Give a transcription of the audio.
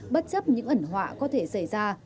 bất chấp những ẩn họa có thể xảy ra